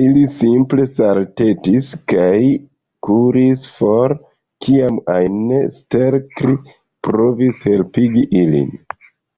Ili simple saltetis kaj kuris for kiam ajn Stelkri provis helpigi ilin.